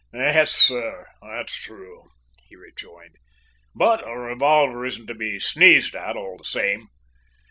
"Yes, sir, that's true," he rejoined; "but a revolver isn't to be sneezed at, all the same!"